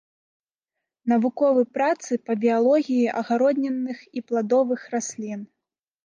Навуковы працы па біялогіі агароднінных і пладовых раслін.